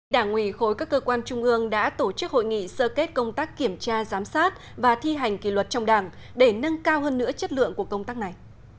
đảng ủy khối các cơ quan trung ương đã tổ chức hội nghị sơ kết công tác kiểm tra giám sát và thi hành kỷ luật trong đảng để nâng cao hơn nữa chất lượng của công tác này